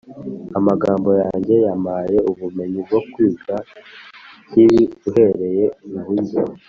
amagambo yanjye yampaye ubumenyi bwo kwiga ikibi uhereye iburyo.